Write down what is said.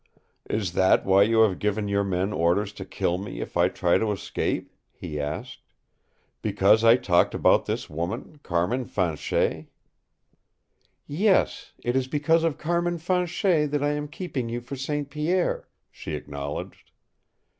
"Is that why you have given your men orders to kill me if I try to escape?" he asked. "Because I talked about this woman, Carmin Fanchet?" "Yes, it is because of Carmin Fanchet that I am keeping you for St. Pierre," she acknowledged.